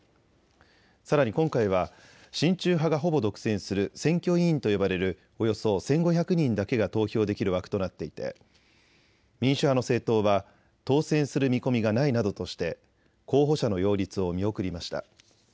さらに今回は親中派がほぼ独占する選挙委員と呼ばれるおよそ１５００人だけが投票できる枠となっていて民主派の政党は当選する見込みがないなどとして候補者の擁立を見送りました。